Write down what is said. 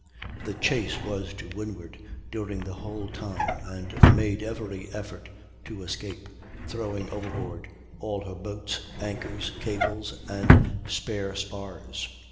The chase was to windward during the whole time, and made every effort to escape, throwing overboard all her boats, anchors, cables, and spare spars.